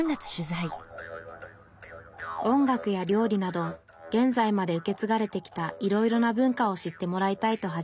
音楽や料理など現在まで受け継がれてきたいろいろな文化を知ってもらいたいと始めました